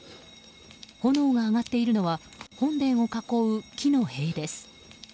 炎が上がっているのは本殿を囲う木の塀です。